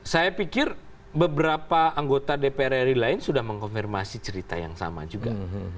saya pikir beberapa anggota dpr ri lain sudah mengkonfirmasi cerita yang sama juga